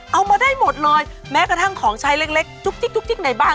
เอามาได้หมดเลยแม้กระทั่งของใช้เล็กจุ๊กจิ๊กในบ้าน